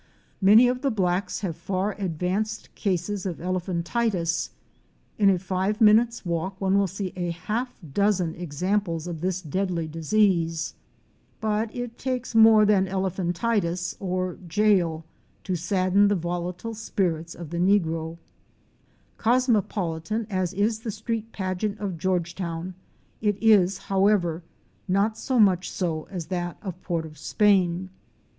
Many of the blacks have far advanced cases of elephan tiasis. In a five minutes' walk one will see a half dozen examples of this deadly disease; but it takes more than cle phantiasis or jail to sadden the volatile spirits of the negro! Fic. 60. THE GEORGETOWN SEA WALL. Cosmopolitan as is the street pageant of Georgetown, it is, however, not so much so as that of Port of Spain.